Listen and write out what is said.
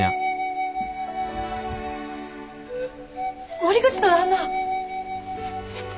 森口の旦那！